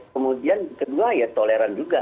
kemudian kedua ya toleran juga